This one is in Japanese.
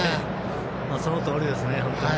そのとおりですね。